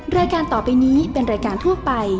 รายการต่อไปนี้เป็นรายการทั่วไป